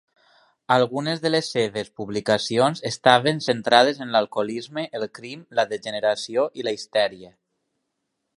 Algunes de les seves publicacions estaven centrades en l"alcoholisme, el crim, la degeneració i la histèria.